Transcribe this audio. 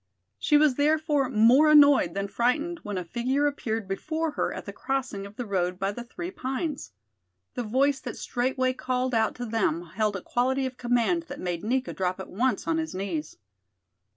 She was therefore more annoyed than frightened when a figure appeared before her at the crossing of the road by the Three Pines. The voice that straightway called out to them held a quality of command that made Nika drop at once on his knees.